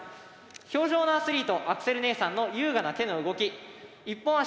氷上のアスリートアクセル姉さんの優雅な手の動き一本足での激しいスピン。